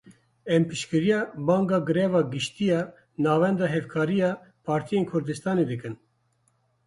Em piştgiriya banga greva giştî ya Navenda Hevkariyê ya Partiyên Kurdistana Îranê dikin.